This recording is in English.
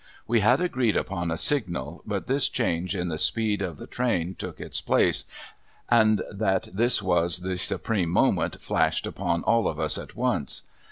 We had agreed upon a signal but this change in the speed of the train took its place, and that this was the supreme moment flashed upon all of us at once.